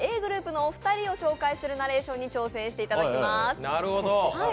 ｇｒｏｕｐのお二人を紹介するナレーションに挑戦してもらいます。